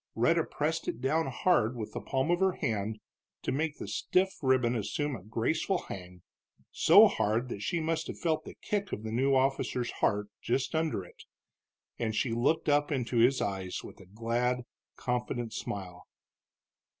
Rhetta pressed it down hard with the palm of her hand to make the stiff ribbon assume a graceful hang, so hard that she must have felt the kick of the new officer's heart just under it. And she looked up into his eyes with a glad, confident smile.